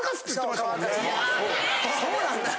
そうなんだ。